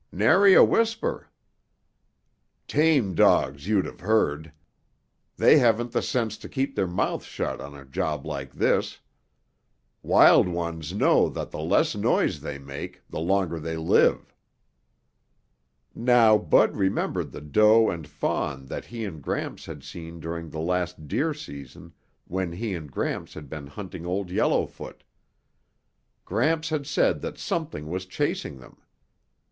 "Nary a whisper." "Tame dogs you'd have heard. They haven't the sense to keep their mouths shut on a job like this. Wild ones know that the less noise they make, the longer they live." Now Bud remembered the doe and fawn that he and Gramps had seen during the last deer season when he and Gramps had been hunting Old Yellowfoot. Gramps had said that something was chasing them.